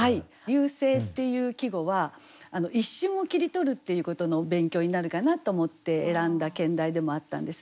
「流星」っていう季語は一瞬を切り取るっていうことの勉強になるかなと思って選んだ兼題でもあったんですね。